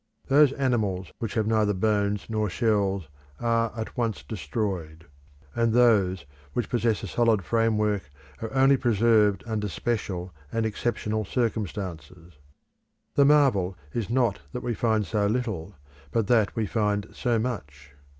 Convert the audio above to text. Those animals which have neither bones nor shells are at once destroyed; and those which possess a solid framework are only preserved under special and exceptional conditions. The marvel is not that we find so little, but that we find so much.